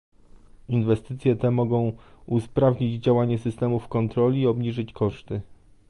Inwestycje te mogą usprawnić działanie systemów kontroli i obniżyć koszty